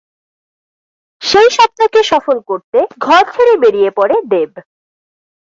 সেই স্বপ্নকে সফল করতে ঘর ছেড়ে বেরিয়ে পড়ে দেব।